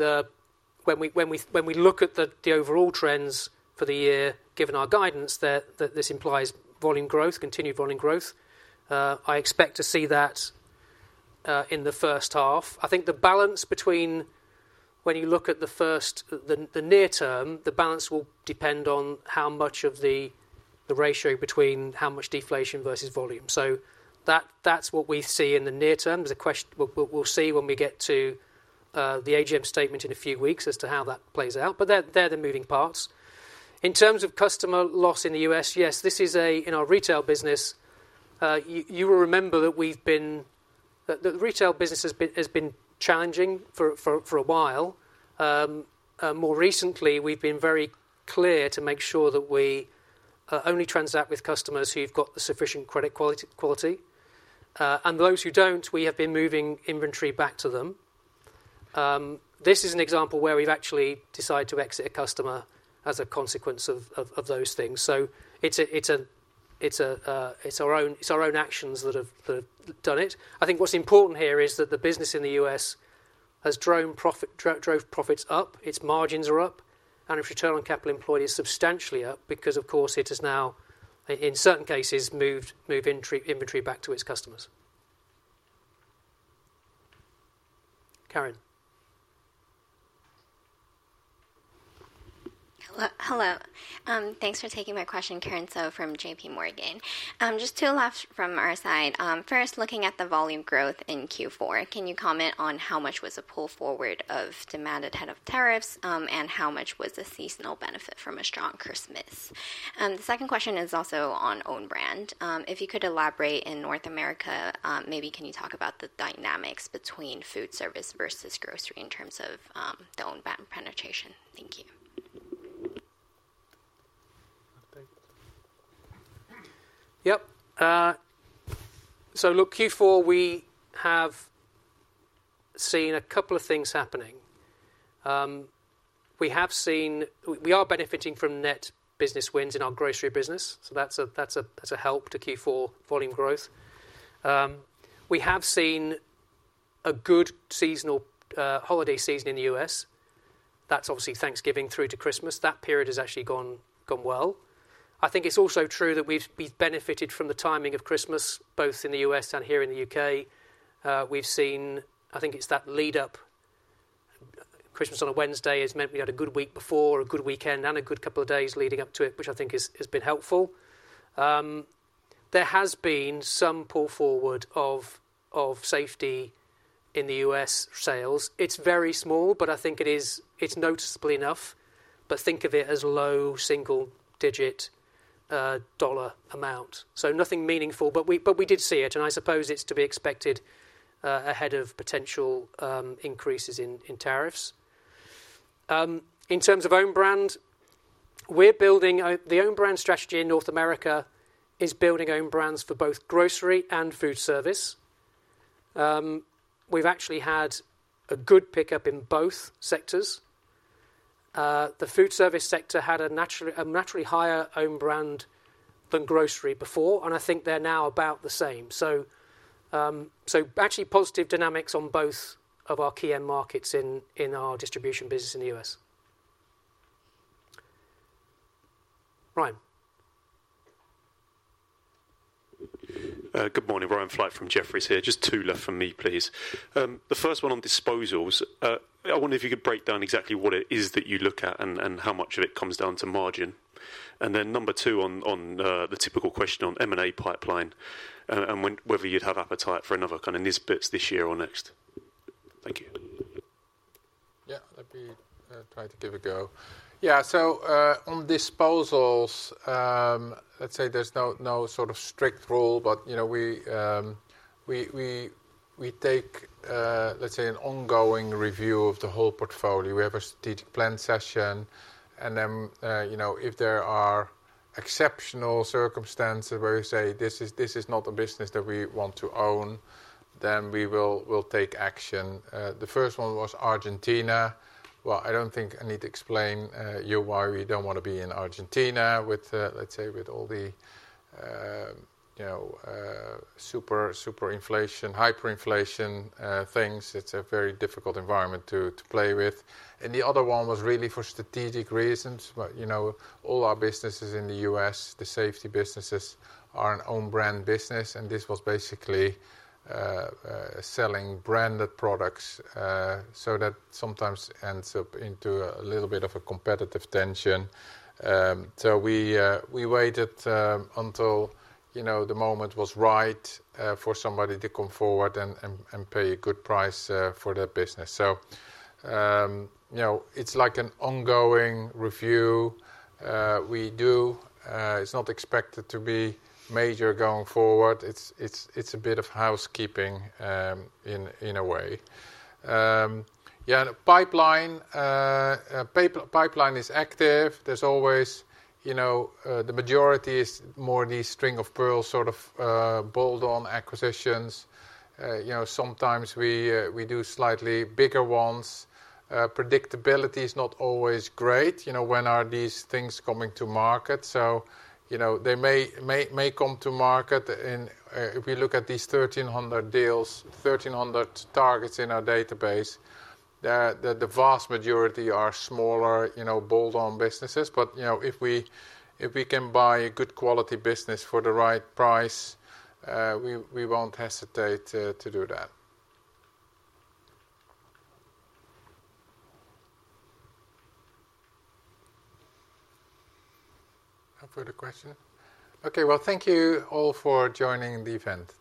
when we look at the overall trends for the year, given our guidance, that this implies volume growth, continued volume growth. I expect to see that in the first half. I think the balance between, when you look at the near term, the balance will depend on how much of the ratio between how much deflation versus volume. That's what we see in the near term. We'll see when we get to the AGM statement in a few weeks as to how that plays out, they're the moving parts. In terms of customer loss in the U.S., yes, this is a, in our retail business, you will remember that the retail business has been challenging for a while. More recently, we've been very clear to make sure that we only transact with customers who've got sufficient credit quality. And those who don't, we have been moving inventory back to them. This is an example where we've actually decided to exit a customer as a consequence of those things. So it's our own actions that have done it. I think what's important here is that the business in the U.S. has drove profits up, its margins are up, and its return on capital employed is substantially up because, of course, it has now, in certain cases, moved inventory back to its customers. Karin. Hello. Thanks for taking my question, Karin So from JPMorgan. Just two last from our side. First, looking at the volume growth in Q4, can you comment on how much was a pull forward of demand ahead of tariffs and how much was the seasonal benefit from a strong Christmas? The second question is also on own brand. If you could elaborate in North America, maybe can you talk about the dynamics between food service versus grocery in terms of the own brand penetration? Thank you. Yep. So look, Q4, we have seen a couple of things happening. We are benefiting from net business wins in our grocery business. So that's a help to Q4 volume growth. We have seen a good holiday season in the U.S. That's obviously Thanksgiving through to Christmas. That period has actually gone well. I think it's also true that we've benefited from the timing of Christmas, both in the U.S. and here in the U.K. I think it's that lead-up. Christmas on a Wednesday has meant we had a good week before, a good weekend, and a good couple of days leading up to it, which I think has been helpful. There has been some pull forward of safety in the U.S. sales. It's very small, but I think it's noticeable enough. But think of it as low single-digit dollar amount. So nothing meaningful, but we did see it. And I suppose it's to be expected ahead of potential increases in tariffs. In terms of own brand, the own brand strategy in North America is building own brands for both grocery and food service. We've actually had a good pickup in both sectors. The food service sector had a naturally higher own brand than grocery before, and I think they're now about the same. So actually positive dynamics on both of our key end markets in our distribution business in the U.S. Ryan. Good morning. Ryan Fright from Jefferies here. Just two left from me, please. The first one on disposals, I wonder if you could break down exactly what it is that you look at and how much of it comes down to margin. And then number two on the typical question on M&A pipeline and whether you'd have appetite for another kind of Nisbets this year or next. Thank you. Yeah, I'll be trying to give a go. Yeah, so on disposals, let's say there's no sort of strict rule, but we take, let's say, an ongoing review of the whole portfolio. We have a strategic plan session. Then if there are exceptional circumstances where we say, "This is not a business that we want to own," then we will take action. The first one was Argentina. I don't think I need to explain why we don't want to be in Argentina with, let's say, with all the super inflation, hyperinflation things. It's a very difficult environment to play with. The other one was really for strategic reasons. All our businesses in the U.S., the safety businesses, are an own brand business. This was basically selling branded products so that sometimes ends up into a little bit of a competitive tension. We waited until the moment was right for somebody to come forward and pay a good price for their business. It's like an ongoing review. It's not expected to be major going forward. It's a bit of housekeeping in a way. Yeah, pipeline is active. There's always the majority is more the string of pearls sort of bolt-on acquisitions. Sometimes we do slightly bigger ones. Predictability is not always great. When are these things coming to market? So they may come to market. If we look at these 1,300 deals, 1,300 targets in our database, the vast majority are smaller bolt-on businesses. But if we can buy a good quality business for the right price, we won't hesitate to do that. No further questions. Okay, well, thank you all for joining the event.